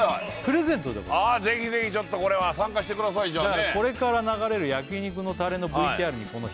ぜひぜひちょっとこれは参加してくださいじゃあね